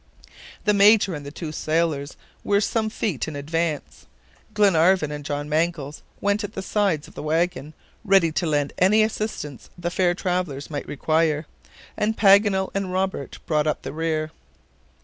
The Major and the two sailors were some feet in advance. Glenarvan and John Mangles went at the sides of the wagon, ready to lend any assistance the fair travelers might require, and Paganel and Robert brought up the rear.